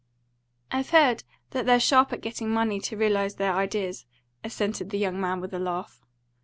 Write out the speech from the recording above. "I've heard that they're sharp at getting money to realise their ideas," assented the young man, with a laugh.